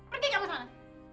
pergi kamu ke sana